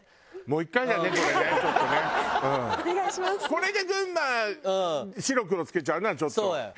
これで群馬白黒つけちゃうのはちょっと。